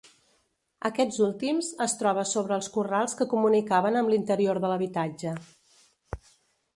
Aquests últims es troba sobre els corrals que comunicaven amb l'interior de l'habitatge.